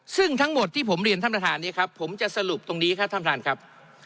ซึ่งทั้งหมดที่ผมเรียนท่านประธานนี้ครับผมจะสรุปตรงนี้ครับท่านประธานครับ